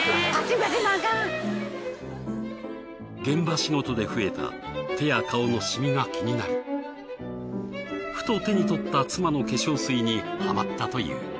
現場仕事で増えた手や顔のシミが気になりふと手に取った妻の化粧水にハマったという。